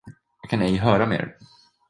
Jag kan ej höra mer.